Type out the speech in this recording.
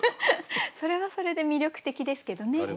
それはそれで魅力的ですけどね。